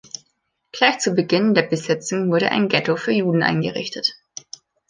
Gleich zu Beginn der Besetzung wurde ein Ghetto für Juden eingerichtet.